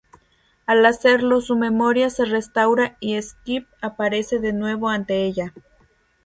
Al hacerlo su memoria se restaura y Skip aparece de nuevo ante ella.